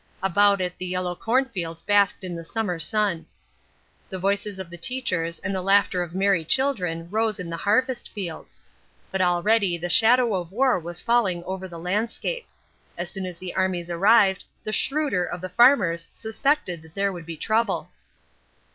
About it the yellow cornfields basked in the summer sun. The voices of the teachers and the laughter of merry children rose in the harvest fields. But already the shadow of war was falling over the landscape. As soon as the armies arrived, the shrewder of the farmers suspected that there would be trouble.